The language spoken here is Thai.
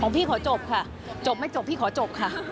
พี่ขอจบค่ะจบไม่จบพี่ขอจบค่ะ